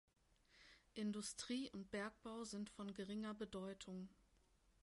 Industrie und Bergbau sind von geringer Bedeutung.